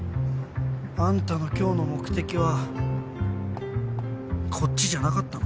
あんたの今日の目的はこっちじゃなかったの？